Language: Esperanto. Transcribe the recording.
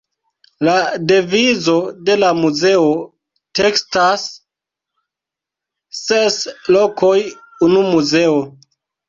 La devizo de la muzeo tekstas: „Ses lokoj, unu muzeo“.